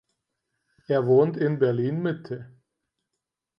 Er wohnt in Berlin-Mitte.